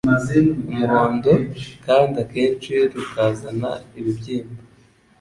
umuhondo, kandi akenshi rukazana ibibyimba.